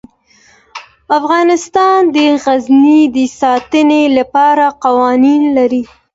افغانستان د غزني د ساتنې لپاره قوانین لري.